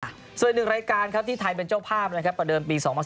สวัสดีนึงรายการที่ถ่ายเป็นเจ้าภาพประเดิมปี๒๐๑๘